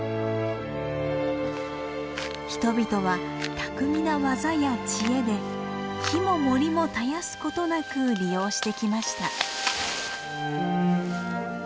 人々は巧みな技や知恵で木も森も絶やすことなく利用してきました。